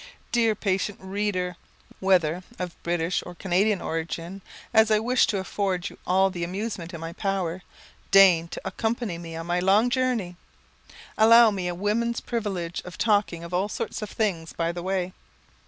Dear patient reader! whether of British or Canadian origin, as I wish to afford you all the amusement in my power, deign to accompany me on my long journey. Allow me a woman's privilege of talking of all sorts of things by the way.